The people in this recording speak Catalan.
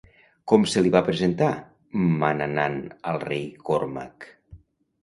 Com se li va presentar Manannán al rei Cormac?